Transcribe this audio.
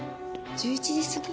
１１時過ぎ？